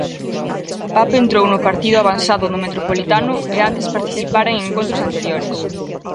Pape entrou no partido avanzado no Metropolitano e antes participara en encontros anteriores.